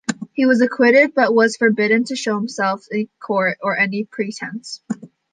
He was acquitted, but was forbidden to show himself at court on any pretense.